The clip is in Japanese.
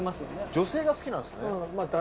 女性が好きなんですね。